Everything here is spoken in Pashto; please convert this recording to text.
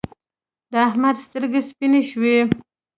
د احمد سترګې سپينې شوې.